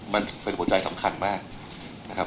มันเป็นหัวใจสำคัญมากนะครับ